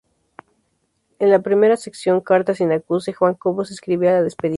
En la primera sección "Carta sin acuse", Juan Cobos escribía la despedida.